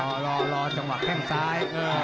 รอรอจังหวะแข้งซ้าย